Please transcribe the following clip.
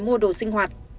mua đồ sinh hoạt